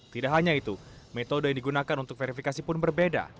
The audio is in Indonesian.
tidak hanya itu metode yang digunakan untuk verifikasi pun berbeda